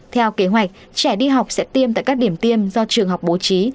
theo kế hoạch trẻ đi học sẽ tiêm tại các điểm tiêm do trường học bố trí